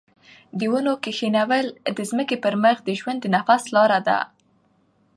د ونو کښېنول د ځمکې پر مخ د ژوند د تنفس لاره ده.